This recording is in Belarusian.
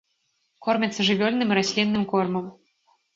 Кормяцца жывёльным і раслінным кормам.